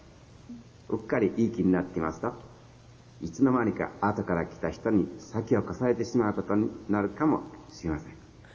うっかりいい気になっていますといつの間にかあとから来た人に先を越されてしまうことになるかもしれません。